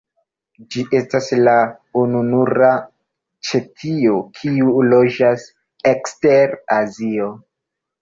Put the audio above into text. Ĝi estas la ununura ĉetio kiu loĝas ekster Azio.